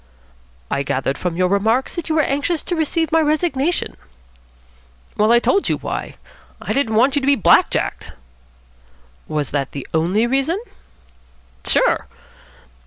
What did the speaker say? "I gathered from your remarks that you were anxious to receive my resignation." "Well, I told you why. I didn't want you be black jacked." "Was that the only reason?" "Sure."